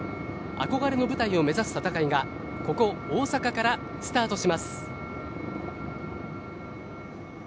憧れの舞台を目指す戦いがここ、大阪からスタートします。